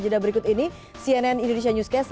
jeda berikut ini cnn indonesia newscast